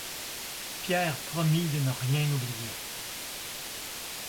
Pierre promit de ne rien oublier.